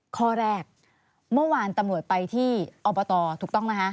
ข้อแรกเมื่อวานตำรวจไปที่อบตถูกต้องไหมคะ